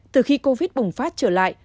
từ khi covid bùng phát trở lại